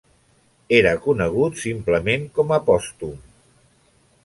Era conegut simplement com a Pòstum.